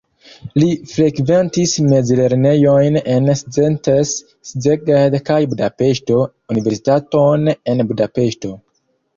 Li frekventis mezlernejojn en Szentes, Szeged kaj Budapeŝto, universitaton en Budapeŝto.